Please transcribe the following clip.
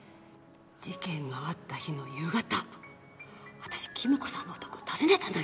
事件があった日の夕方私貴美子さんのお宅を訪ねたのよ。